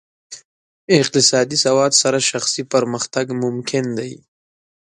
اقتصادي سواد سره شخصي پرمختګ ممکن دی.